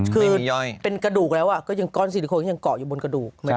ครูเป็นกระดูกแล้วจึงก้อนซีลิคลอยู่บนกระดูก